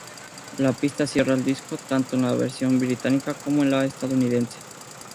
La pista cierra el disco, tanto en la versión británica como en la estadounidense.